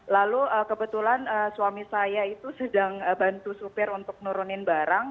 lalu kebetulan suami saya itu sedang bantu supir untuk nurunin barang